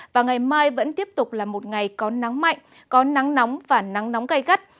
và ngày mai vẫn tiếp tục là một ngày có nắng mạnh có nắng nóng và nắng nóng gây gắt